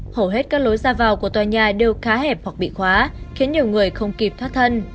hầu hết các lối ra vào của tòa nhà đều khá hẹp hoặc bị khóa khiến nhiều người không kịp thoát thân